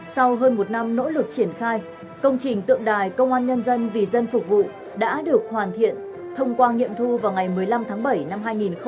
sau hơn một năm nỗ lực triển khai công trình tượng đài công an nhân dân vì dân phục vụ đã được hoàn thiện thông qua nghiệm thu vào ngày một mươi năm tháng bảy năm hai nghìn hai mươi